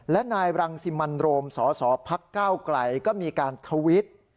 และนายรังสิมันโรมสสพักก้าวไกลก็มีการทวิต